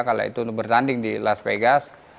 kalau itu bertanding di las vegas